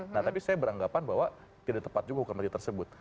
nah tapi saya beranggapan bahwa tidak tepat juga hukuman mati tersebut